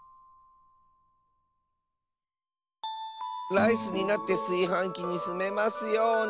ライスになってすいはんきにすめますように。